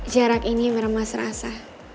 jarak ini meremas rasa